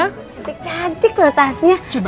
cantik cantik loh tasnya